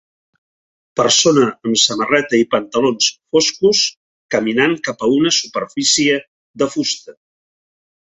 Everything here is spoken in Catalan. Persona amb samarreta i pantalons foscos caminant cap a una superfície de fusta.